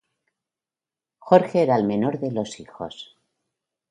Jorge era el menor de los hijos.